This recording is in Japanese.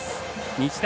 日大